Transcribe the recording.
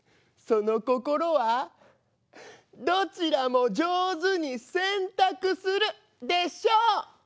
その心は「どちらも上手にせんたくする」でしょう。